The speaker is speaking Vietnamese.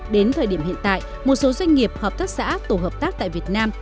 đến thời điểm hiện tại một số doanh nghiệp hợp tác xã tổ hợp tác tại việt nam